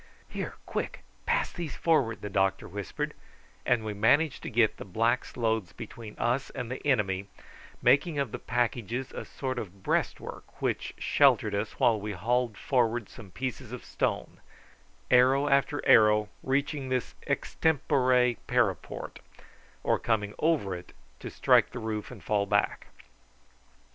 "Here, quick! pass these packages forward," the doctor whispered; and we managed to get the blacks' loads between us and the enemy, making of the packages a sort of breastwork, which sheltered us while we hauled forward some pieces of stone, arrow after arrow reaching this extempore parapet, or coming over it to strike the roof and fall back.